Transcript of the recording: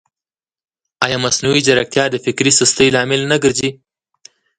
ایا مصنوعي ځیرکتیا د فکري سستۍ لامل نه ګرځي؟